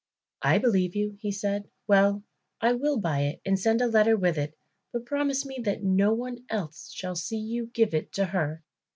"I believe you," he said. "Well, I will buy it and send a letter with it, but promise me that no one else shall see you give it to her."